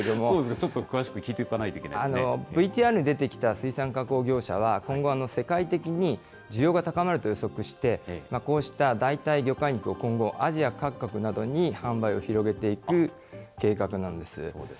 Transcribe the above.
ちょっと詳しい聞いておかないとＶＴＲに出てきた水産加工業者は、今後、世界的に需要が高まると予測して、こうした代替魚介肉を今後、アジア各国などに販売を広げていく計画なんです。